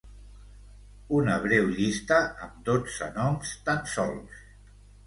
Una breu llista amb dotze noms tan sols.